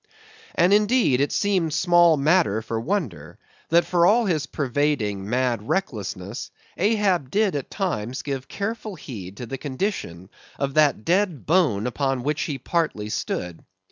And, indeed, it seemed small matter for wonder, that for all his pervading, mad recklessness, Ahab did at times give careful heed to the condition of that dead bone upon which he partly stood.